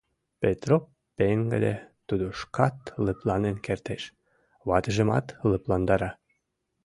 Петроп пеҥгыде, тудо шкат лыпланен кертеш, ватыжымат лыпландара.